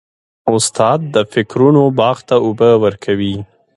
استاد د فکرونو باغ ته اوبه ورکوي.